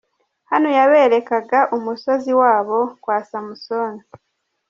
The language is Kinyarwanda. Hano yaberekaga umusozi w'abo kwa Samusoni.